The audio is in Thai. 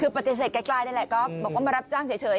คือประเทศเกลียดใกล้ค่ะได้แหละก็บอกว่ามารับจ้างเฉยเฉย